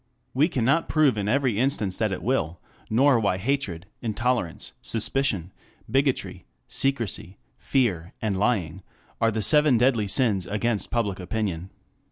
We cannot prove in every instance that it will, nor why hatred, intolerance, suspicion, bigotry, secrecy, fear, and lying are the seven deadly sins against public opinion.